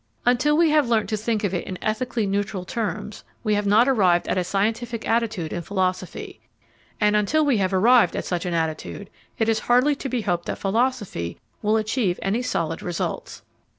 Until we have learnt to think of it in ethically neutral terms, we have not arrived at a scientific attitude in philosophy; and until we have arrived at such an attitude, it is hardly to be hoped that philosophy will achieve any solid results.